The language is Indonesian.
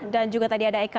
dan juga tadi ada eka rizwan